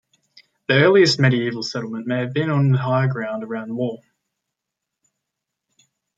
The earliest medieval settlement may have been on the higher ground around Wall.